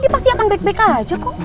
dia pasti akan back back aja kok